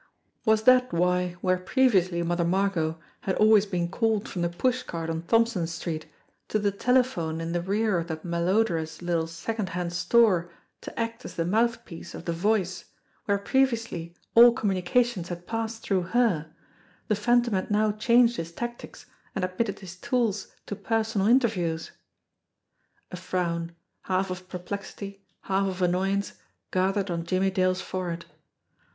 Was that why, where previously Mother Margot had always been called from the pushcart on Thompson Street to the telephone in the rear of that malodorous little second hand store to act as the mouthpiece of the "Voice," where previ ously all communications had passed through her, the Phan tom had now changed his tactics and admitted his tools to personal interviews? A frown, half of perplexity, half of annoyance, gathered on Jimmie Dale's forehead.